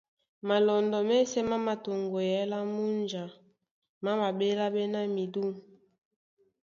Malɔndɔ́ mɛ́sɛ̄ má mātoŋgweyɛɛ́ lá múnja, má maɓéláɓɛ́ ná midû.